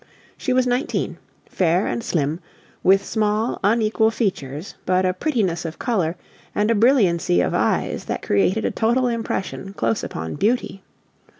She was nineteen, fair and slim, with small, unequal features, but a prettiness of color and a brilliancy of eyes that created a total impression close upon beauty.